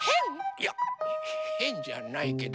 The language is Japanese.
いやへんじゃないけど。